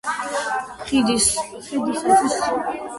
ხიდისთავის საშუალო სკოლის ისტორიის მასწავლებელი.